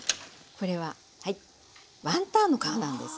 これはワンタンの皮なんです。